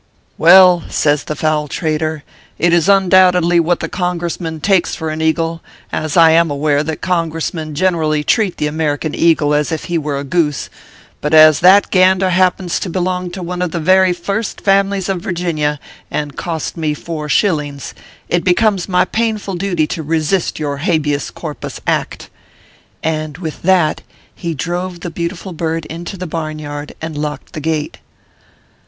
"Well," says the foul traitor, "it is undoubtedly what the Congressman takes for an Eagle, as I am. aware that Congressmen generally treat the American Eagle as if he were a goose ; but as that gander happens to belong to one of the very First Families of Virginia, and cost me four shillings, it becomes my painful duty to resist your habeas corpus act." And with that he drove the beautiful bird into the barnyard, and locked the gate.